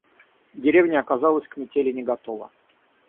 Деревня оказалась к метели не готова.